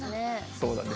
そうなんです。